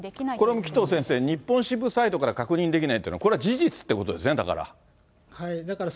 これも紀藤先生、日本支部サイドから確認できないっていうのは、これ、事実ってことですね、だから。